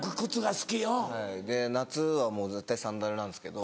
夏はもう絶対サンダルなんですけど。